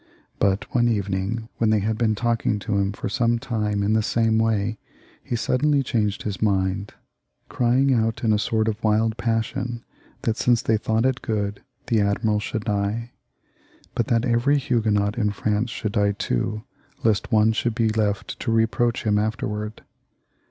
But one evening, when they had been talking to him for some time in the same way, he suddenly changed his mind, crying out in a sort of wild passion that since they thought it good, the admiral should die ; but that every Huguenot in France should die too, lest one should be left to reproach him afterwards.